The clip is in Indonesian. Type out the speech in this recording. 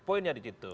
poinnya di situ